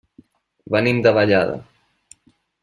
Venim de Vallada.